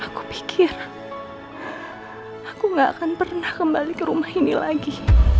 aku pikir aku gak akan pernah kembali ke rumah ini lagi